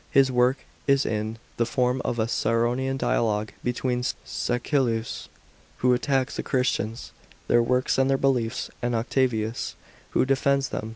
His work is in the form of a Ciceronian dialogue between Csecilius, who attacks the Christians, their works and their beliefs, and Octavius, who defends them.